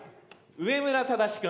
上村正君。